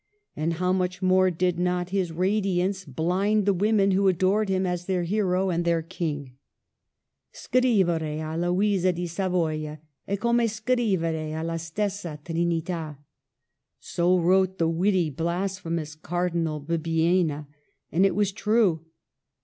And how much more did not his radiance blind the women who adored him as their hero and their king !" Scrivere a Luisa di Savoia e come scrivere alia stessa Trinita." So wrote the witty, blas phemous Cardinal Bibbiena. And it was true.